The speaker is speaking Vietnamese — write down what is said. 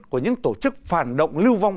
của những tổ chức phản động lưu vong